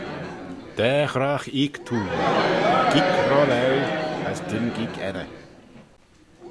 Daa ghrogh eeck t'ayn, geeck rolaue, as dyn geeck edyr